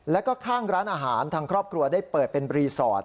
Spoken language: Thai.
แล้วก็ข้างร้านอาหารทางครอบครัวได้เปิดเป็นรีสอร์ท